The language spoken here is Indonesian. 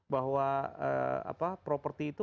bahwa properti itu